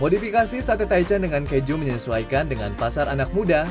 modifikasi sate taichan dengan keju menyesuaikan dengan pasar anak muda